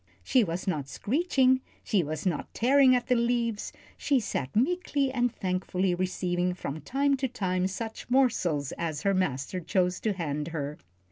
She was not screeching, she was not tearing at the leaves, she sat meekly and thankfully receiving from time to time such morsels as her master chose to hand her.